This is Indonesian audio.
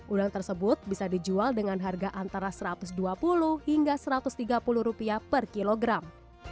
udang tersebut bisa dijual dengan harga antara rp satu ratus dua puluh hingga rp satu ratus tiga puluh per kilogram